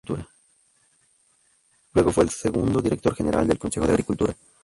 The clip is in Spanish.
Luego fue el segundo director general del Concejo de Agricultura.